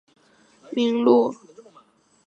本列表为满洲国驻中华民国历任大使名录。